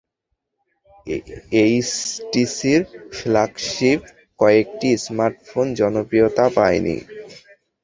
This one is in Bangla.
এইচটিসির ফ্ল্যাগশিপ কয়েকটি স্মার্টফোন জনপ্রিয়তা পায়নি।